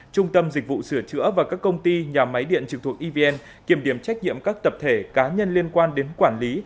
trung tâm dịch vụ sửa chữa và các công ty nhà máy điện trực thuộc evn kiểm điểm trách nhiệm các tập thể cá nhân liên quan đến quản lý